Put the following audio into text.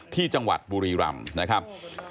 ที่จังหวัดบุรีรำนะครับ